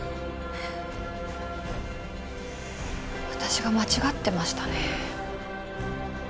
私が間違ってましたね。